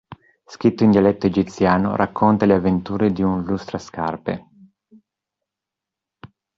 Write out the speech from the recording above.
Scritto in dialetto egiziano, racconta le avventure di un lustrascarpe.